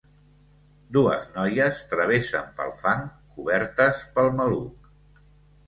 Dues noies travessen pel fang cobertes pel maluc.